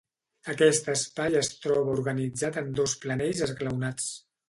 Aquest espai es troba organitzat en dos planells esglaonats.